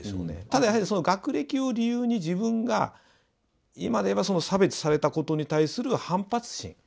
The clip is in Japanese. ただやはりその学歴を理由に自分が今で言えば差別されたことに対する反発心